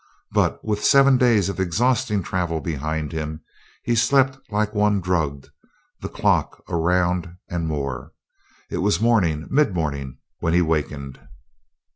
But, with seven days of exhausting travel behind him, he slept like one drugged, the clock around and more. It was morning, mid morning, when he wakened.